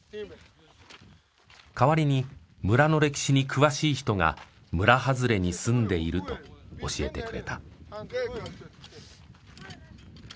代わりに村の歴史に詳しい人が村はずれに住んでいると教えてくれた。